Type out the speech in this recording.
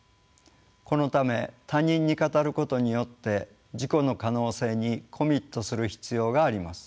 このため他人に語ることによって自己の可能性にコミットする必要があります。